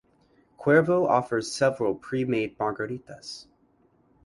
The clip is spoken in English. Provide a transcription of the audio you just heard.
Cuervo offers several pre-made margaritas.